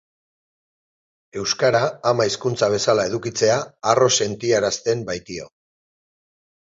Euskara ama-hizkuntza bezala edukitzea harro sentiarazten baitio.